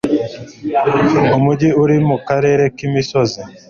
Umujyi uri mukarere k'imisozi.